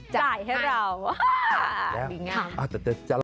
จ่ายให้เรา